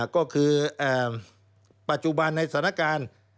ก็คือปัจจุบันในสถานการณ์